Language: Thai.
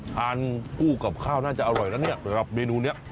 ทานกู้กับข้าวน่าจะอร่อยแล้วสำหรับเมนูนี้